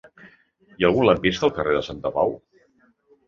Hi ha algun lampista al carrer de Santapau?